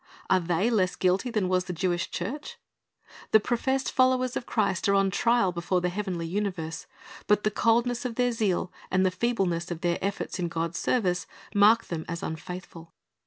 "^ Are they less guilty than was the Jewish church? The professed followers of Christ are on trial before the heavenly universe; but the coldness of their zeal and the feebleness of their efforts in God's service, mark them as unfaithful.